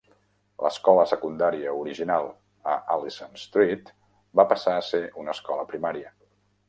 L'escola secundària original a Allison Street va passar a ser una escola primària.